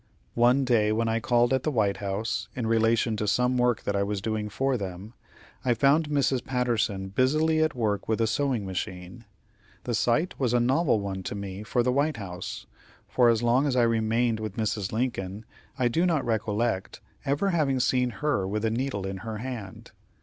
One day when I called at the White House, in relation to some work that I was doing for them, I found Mrs. Patterson busily at work with a sewing machine. The sight was a novel one to me for the White House, for as long as I remained with Mrs. Lincoln, I do not recollect ever having seen her with a needle in her hand.